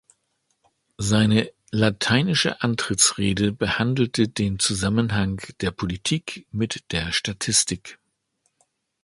Seine lateinische Antrittsrede behandelte den Zusammenhang der Politik mit der Statistik.